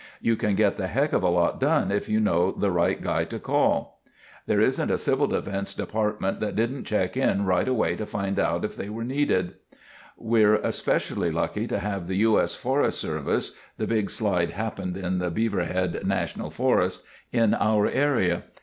You can get the heck of a lot done if you know the right guy to call. "There isn't a CD department that didn't check in right away to find out if they were needed. "We're especially lucky to have the U. S. Forest Service (the big slide happened in the Beaverhead National Forest) in our area.